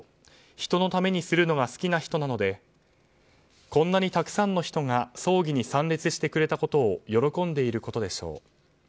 人のためにするのが好きな人なのでこんなにたくさんの人が葬儀に参列したことを喜んでいることでしょう。